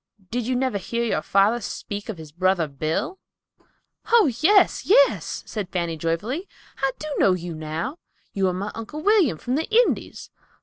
Did you never hear your father speak of his brother Bill?" "Oh, yes, yes," said Fanny joyfully. "I do know you now. You are my Uncle William from the Indies.